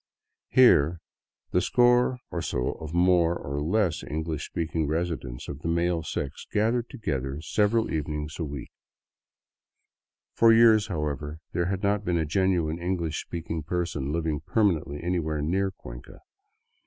Here the score or so of more or less English speaking residents of the male sex gathered together several evenings a week. IQ2 THROUGH SOUTHERN ECUADOR For years, however, there had not been a genuine English speak ing person living permanently anywhere near Cuenca.